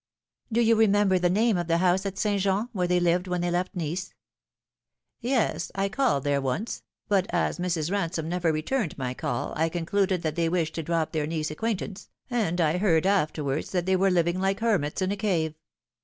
" Do you remember the name of the house at St. Jean where they lived when they left Nice ?"" Yes, I called there once, but as Mrs. Eansome never returned my call, I concluded that they wished to drop their Nice ac quaintance, and I heard afterwards that they were living like hermits in a cave.